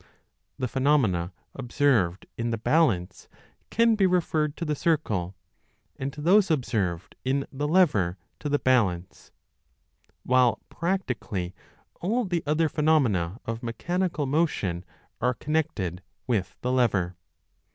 The phenomena observed in the balance can be referred to the circle, and those observed in the lever to 15 the balance ; while practically all the other phenomena of mechanical motion are connected with the lever.